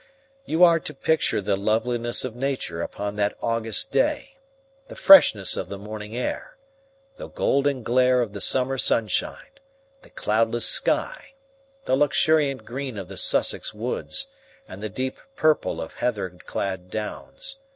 You are to picture the loveliness of nature upon that August day, the freshness of the morning air, the golden glare of the summer sunshine, the cloudless sky, the luxuriant green of the Sussex woods, and the deep purple of heather clad downs.